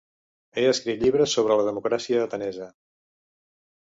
Ha escrit llibres sobre la democràcia atenesa.